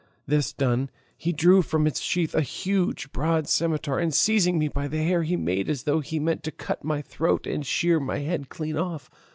This done, he drew from its sheath a huge broad scimitar, and seizing me by the hair he made as though he meant to cut my throat and shear my head clean off.